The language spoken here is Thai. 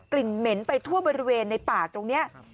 เหม็นไปทั่วบริเวณในป่าตรงนี้